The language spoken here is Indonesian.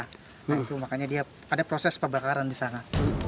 nah itu makanya dia ada proses pembakaran di sana